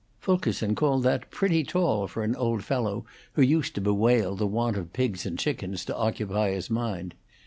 Fulkerson called that pretty tall for an old fellow who used to bewail the want of pigs and chickens to occupy his mind.